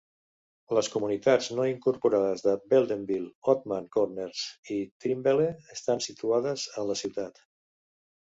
Les comunitats no incorporades de Beldenville, Ottman Corners i Trimbelle estan situades a la ciutat.